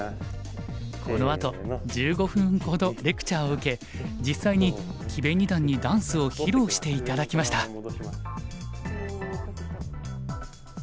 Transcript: このあと１５分ほどレクチャーを受け実際に木部二段にダンスを披露して頂きました。